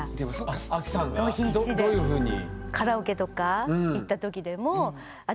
どういうふうに？